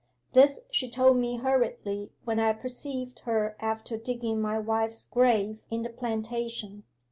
This she told me hurriedly when I perceived her after digging my wife's grave in the plantation.